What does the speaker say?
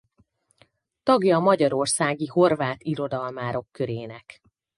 Tagja a Magyarországi Horvát Irodalmárok Körének.